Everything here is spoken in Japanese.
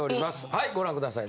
はいご覧ください